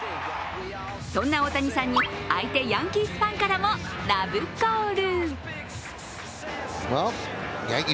そんな大谷さんに、相手ヤンキースファンからもラブコール。